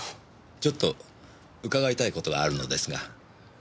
ちょっと伺いたい事があるのですが。